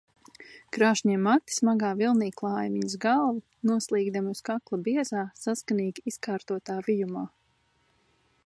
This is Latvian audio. Krāšņie mati smagā vilnī klāja viņas galvu, noslīgdami uz kakla biezā, saskanīgi izkārtotā vijumā.